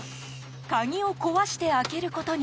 鍵を壊して開けることに。